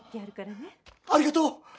ありがとう！